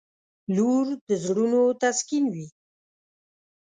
• لور د زړونو تسکین وي.